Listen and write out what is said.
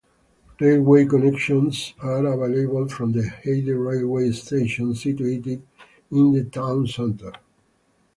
Railway connections are available from the Heide railway station situated in the town centre.